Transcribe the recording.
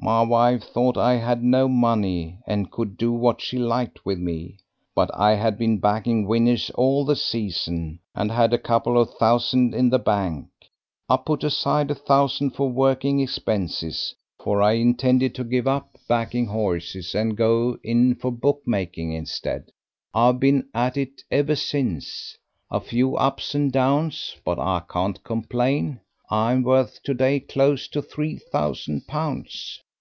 "My wife thought that I had no money, and could do what she liked with me. But I had been backing winners all the season, and had a couple of thousand in the bank. I put aside a thousand for working expenses, for I intended to give up backing horses and go in for bookmaking instead. I have been at it ever since. A few ups and downs, but I can't complain. I am worth to day close on three thousand pounds."